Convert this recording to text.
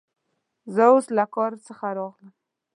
زه اوس له کار څخه راغلم.